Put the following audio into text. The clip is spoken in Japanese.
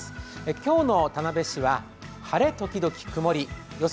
今日の田辺市は晴れ時々曇り予想